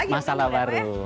masalah baru lagi